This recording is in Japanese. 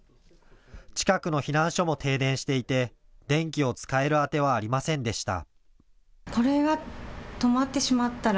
近くの避難所も停電していて電気を使える当てはありませんでした。